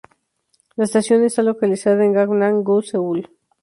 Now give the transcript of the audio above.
La estación está localizada en Gangnam-gu, Seúl.